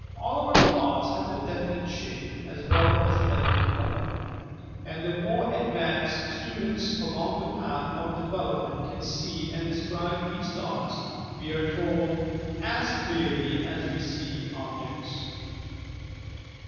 All our thoughts have a definite shape as well as a definite colour, and tbe more advanced stu dents along the Path of Development can see and de scribe these thoughts, we are told, as clearly as we see objects.